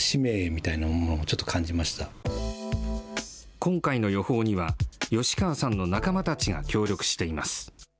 今回の予報には、吉川さんの仲間たちが協力しています。